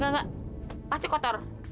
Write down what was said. gak gak pasti kotor